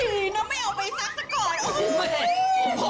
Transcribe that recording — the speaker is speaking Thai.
ดีนะไม่เอาไปซักต่อก่อน